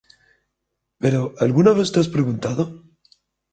Pero… ¿alguna vez te has preguntado?